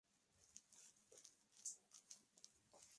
Finalmente, O'Rourke fue juzgado y condenado a muerte.